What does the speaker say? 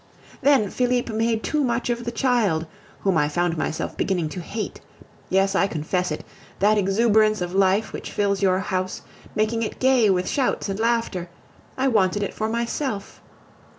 Then Felipe made too much of the child, whom I found myself beginning to hate. Yes, I confess it, that exuberance of life which fills your house, making it gay with shouts and laughter I wanted it for myself.